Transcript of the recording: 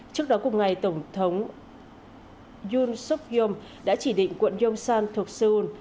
trước đó cùng ngày tổng thống yoon seok yong đã chỉ định quận yongsan thuộc seoul